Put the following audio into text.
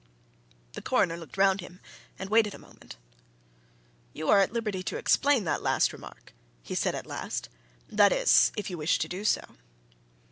The Coroner looked round him, and waited a moment. "You are at liberty to explain that last remark," he said at last. "That is if you wish to do so."